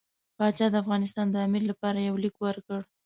پاشا د افغانستان د امیر لپاره یو لیک ورکړ.